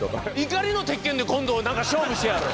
「怒りの鉄拳」で今度何か勝負してやる！